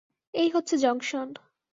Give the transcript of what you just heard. এই হচ্ছে জংশন।